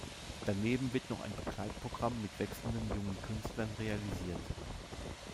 Daneben wird noch ein Begleitprogramm mit wechselnden jungen Künstlern realisiert.